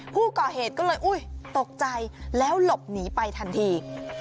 ผู้ก่อเหตุก็เลยตกใจแล้วหลบหนีไปทันที